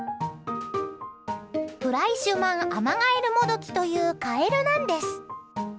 フライシュマンアマガエルモドキというカエルなんです。